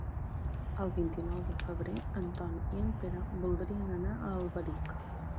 El vint-i-nou de febrer en Ton i en Pere voldrien anar a Alberic.